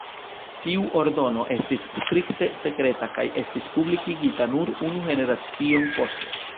Tiu ordono estis strikte sekreta kaj estis publikigita nur unu generacion poste.